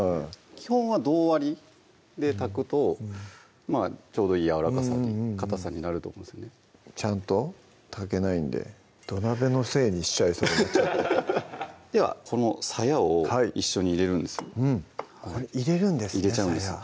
基本は同割りで炊くとちょうどいいやわらかさにかたさになると思うんですねちゃんと炊けないんで土鍋のせいにしちゃいそうにではこのさやを一緒に入れるんです入れるんですねさや入れちゃうんです